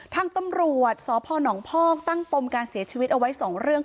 ทางตำรวจสพนพอกตั้งปมการเสียชีวิตเอาไว้๒เรื่อง